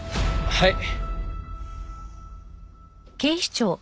はい。